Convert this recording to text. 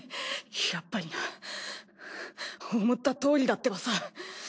やっぱりな思ったとおりだってばさ。